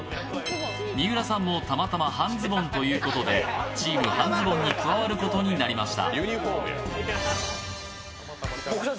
三浦さんもたまたま半ズボンということでチーム半ズボンに加わることになりました。